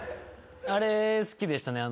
あれ好きでしたね。